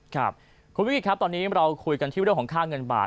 ครับคุณวิกฤตครับตอนนี้เราคุยกันที่เรื่องของค่าเงินบาท